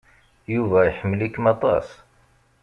Yuba iḥemmel-ikem aṭas.